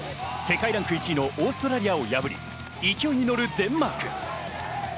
日本の２戦目は世界ランク１位のオーストラリアを破り勢いに乗るデンマーク。